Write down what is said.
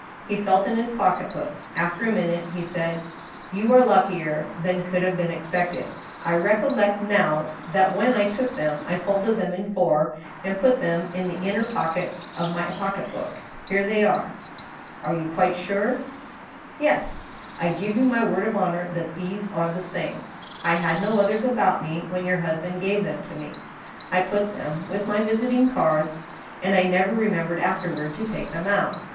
He felt in his pocket book. After a minute, he said :" You are luckier than could have been expected, I recollect now that when I took them I folded them in four, and put them in the little inner pocket of my pocket book. .., Here they are." " Are you quite sure ?" 120 THE STEEL HAMMER. " Yes, I give you my word of honor that these are the same. I had no others about me when your husband gave them to me. I put them with my visiting cards, and I never remembered afterward to take them out.